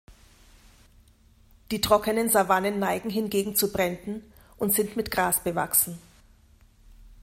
Die trockenen Savannen neigen hingegen zu Bränden und sind mit Gras bewachsen.